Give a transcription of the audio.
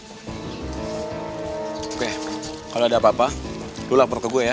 oke kalo ada apa apa lo lapor ke gue ya